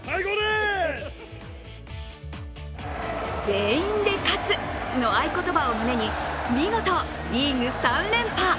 「全員で勝つ」の合言葉を胸に見事リーグ３連覇。